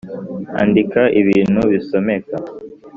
• andika ibintu bisomeka.